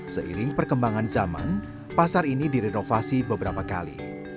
seiring perkembangan zaman pasar ini direnovasi beberapa kali